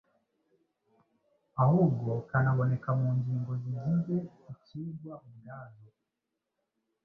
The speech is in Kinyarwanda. Ahubwo kanaboneka mu ngingo zigize icyigwa ubwazo.